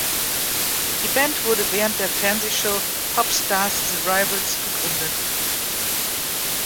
Die Band wurde während der Fernsehshow "Popstars: The Rivals" gegründet.